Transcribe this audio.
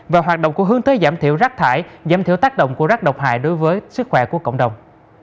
và hoạt động của hướng tới giảm thiểu rác thải giảm thiểu tác động của rác độc hại đối với sức khỏe của cộng đồng